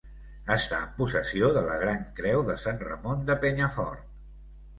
Està en possessió de la Gran Creu de Sant Ramon de Penyafort.